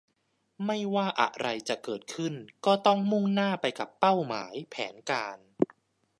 ไม่ว่าอะไรจะเกิดขึ้นก็ต้องมุ่งหน้าไปกับเป้าหมายแผนการ